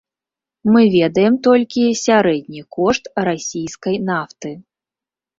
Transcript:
Мы ведаем толькі сярэдні кошт расійскай нафты.